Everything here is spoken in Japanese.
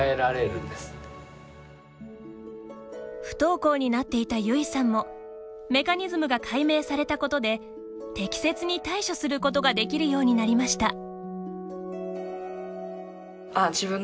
不登校になっていたゆいさんもメカニズムが解明されたことで適切に対処することができるようになりました。